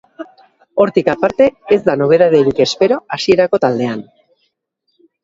Hortik aparte, ez da nobedaderik espero hasierako taldean.